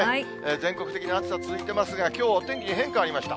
全国的に暑さ続いていますが、きょうお天気変化ありました。